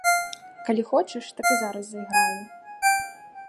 Калі хочаш, так і зараз зайграю.